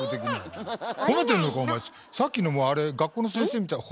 さっきのもあれ「学校の先生みたい」